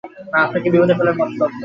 মা আপনাকে বিপদে ফেলবার মতলব করছেন।